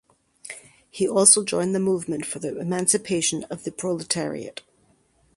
He also joined the Movement for the Emancipation of the Proletariat.